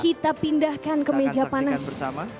kita pindahkan ke meja panas bersama